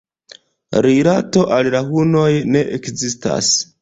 Rilato al la hunoj ne ekzistas.